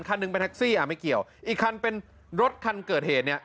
คันนึงเป็นอะไม่เกี่ยวอีกคันเป็นรถคันเกิดเหตุเนี่ย